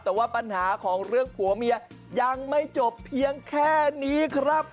แต่ว่าปัญหาของเรื่องผัวเมียยังไม่จบเพียงแค่นี้ครับ